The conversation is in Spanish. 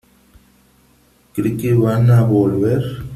¿ cree que van a volver ?